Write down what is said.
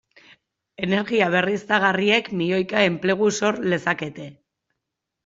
Energia berriztagarriek milioika enplegu sor lezakete.